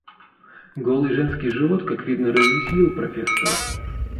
Голый женский живот, как видно, развеселил профессора.